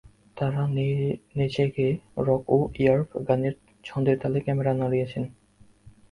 তাঁরা নেচেগেয়ে রক ও র্যাপ গানের ছন্দের তালে ক্যামেরা নাড়িয়েছেন।